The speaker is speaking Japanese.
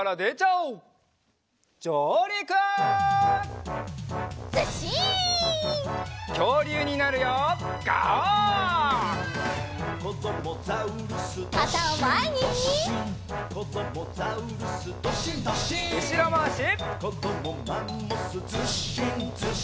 うしろまわし。